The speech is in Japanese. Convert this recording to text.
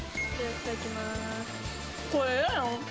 いただきます。